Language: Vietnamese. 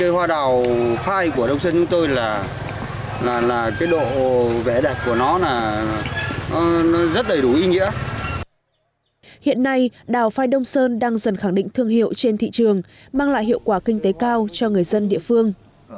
hiện nay đào phai đông sơn đang dần khẳng định thương hiệu trên thị trường mang lại hiệu quả kinh tế cao cho người dân địa phương